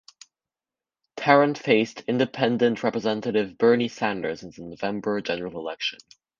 Tarrant faced Independent Representative Bernie Sanders in the November general election.